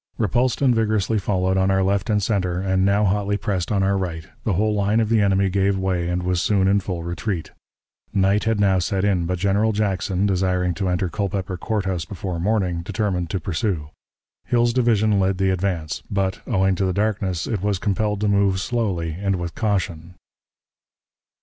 Repulsed and vigorously followed on our left and center, and now hotly pressed on our right, the whole line of the enemy gave way, and was soon in full retreat. Night had now set in, but General Jackson, desiring to enter Culpeper Court House before morning, determined to pursue. Hill's division led the advance; but, owing to the darkness, it was compelled to move slowly and with caution.